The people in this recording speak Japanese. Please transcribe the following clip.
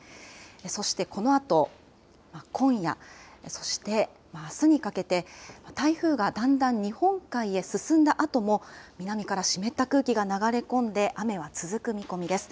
そしてこのあと今夜、そしてあすにかけて、台風がだんだん日本海へ進んだあとも、南から湿った空気が流れ込んで雨は続く見込みです。